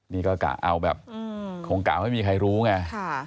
นี่ก็กะเอาแบบคงกะไม่มีใครรู้ไง